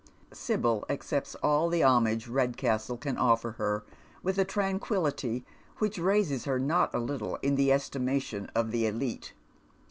Sibyl accepts all the homage Redcastle can offer her, with a tranquillity which raises her not a little in the estimation of tha elite.